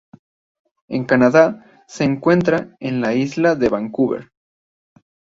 En Canadá se encuentra en la isla de Vancouver.